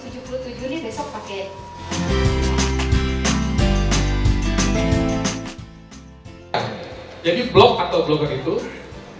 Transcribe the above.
bagaimana cara mengatasi kecemasan